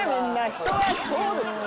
人はそうですよ。